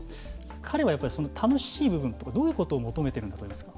彼はやっぱり楽しい部分とかどういうことを求めてるんだと思いますか。